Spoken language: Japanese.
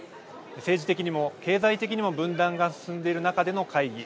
政治的にも経済的にも分断が進んでいる中での会議。